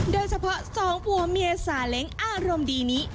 ได้เฉพาะ๒ผัวเมียสาเหลงอารมณ์ดีนี้